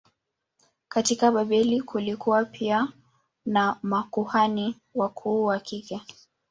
Katika Babeli kulikuwa pia na makuhani wakuu wa kike.